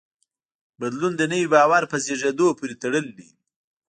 بدلون د نوي باور په زېږېدو پورې تړلی دی.